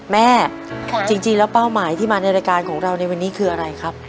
แม่จริงแล้วเป้าหมายที่มาในรายการของเราในวันนี้คืออะไรครับ